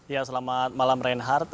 ya selamat malam reinhardt